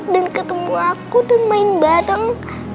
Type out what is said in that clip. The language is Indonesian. dan ketemu aku dan main bareng